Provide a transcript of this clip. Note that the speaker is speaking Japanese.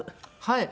はい。